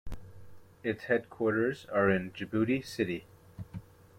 Its headquarters are in Djibouti City.